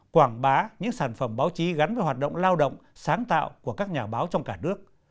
quảng bá những sản phẩm báo chí gắn với hoạt động lao động sáng tạo của các nhà báo trong cả nước